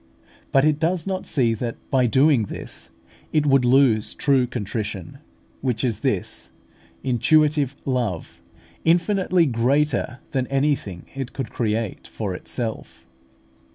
But it does not see that, by doing this, it would lose true contrition, which is this intuitive love, infinitely greater than anything it could create for itself.